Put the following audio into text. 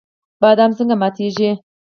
بادام څنګه ماتیږي؟